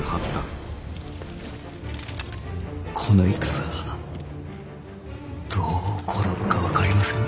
この戦どう転ぶか分かりませんね。